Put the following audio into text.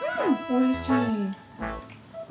おいしい。